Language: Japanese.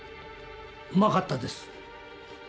うまかったです。